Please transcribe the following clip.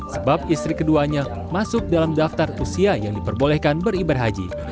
sebab istri keduanya masuk dalam daftar usia yang diperbolehkan beribadah haji